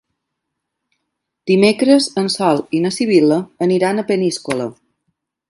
Dimecres en Sol i na Sibil·la aniran a Peníscola.